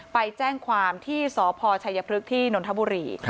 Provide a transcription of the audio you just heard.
ไปแจ้งความที่สพชัยพฤกษ์ที่นนทบุรี